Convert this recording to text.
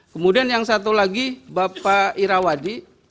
kemudian yang satu lagi bapak irawadi